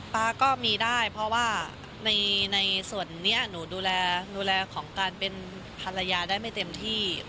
ป๊าก็มีได้เพราะว่าในส่วนนี้หนูดูแลของการเป็นภรรยาได้ไม่เต็มที่